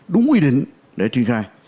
đúng quy định để triển khai